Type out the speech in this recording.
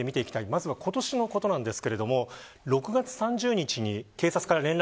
まず今年のことです。